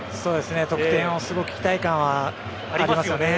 得点すごく期待感はありますよね。